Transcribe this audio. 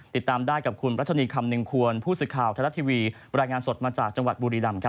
ติดตามได้กับคุณรัชนีคำหนึ่งควรผู้สื่อข่าวไทยรัฐทีวีบรรยายงานสดมาจากจังหวัดบุรีรำครับ